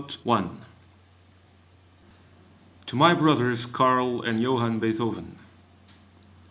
] 26. TO MY BROTHERS CARL AND JOHANN BEETHOVEN.